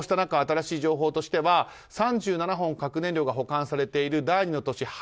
こうした中、新しい情報としては３７本核燃料が保管されている第２の都市